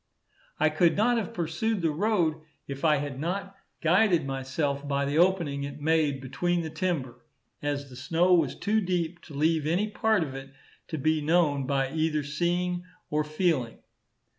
I could not have pursued the road if I had not guided myself by the opening it made between the timber, as the snow was too deep to leave any part of it to be known by either seeing or feeling.